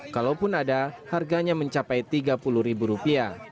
kalaupun ada harganya mencapai rp tiga puluh